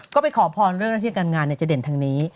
ก็ไม่ขอมพรฟ์โลกนักที่เกิดการงานเนี่ยจะเด่นทางนี้